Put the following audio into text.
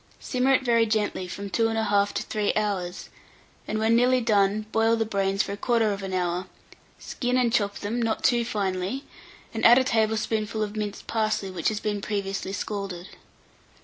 Simmer it very gently from 2 1/2 to 3 hours, and when nearly done, boil the brains for 1/4 hour; skin and chop them, not too finely, and add a tablespoonful of minced parsley which has been previously scalded.